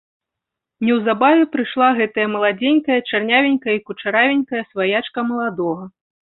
Неўзабаве прыйшла гэтая маладзенькая чарнявенькая і кучаравенькая сваячка маладога.